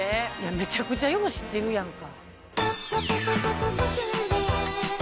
めちゃくちゃよう知ってるやんか。